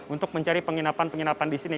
untuk mencari penginapan penginapan di sini